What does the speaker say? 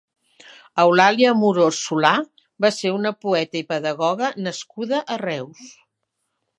Eulàlia Amorós Solà va ser una poeta i pedagoga nascuda a Reus.